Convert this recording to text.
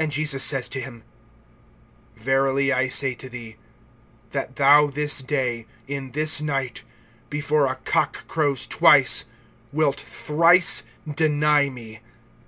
(30)And Jesus says to him: Verily I say to thee, that thou this day, in this night, before a cock crows twice, wilt thrice deny me.